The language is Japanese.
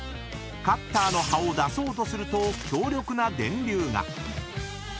［カッターの刃を出そうとすると強力な電流が］